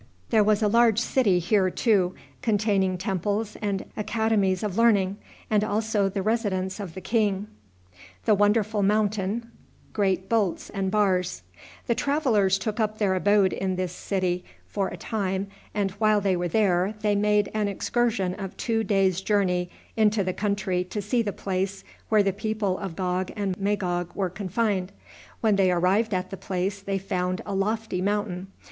There was a large city here too, containing temples and academies of learning, and also the residence of the king. The travelers took up their abode in this city for a time, and while they were there they made an excursion of two days' journey into the country to see the place where the people of Gog and Magog were confined. When they arrived at the place they found a lofty mountain.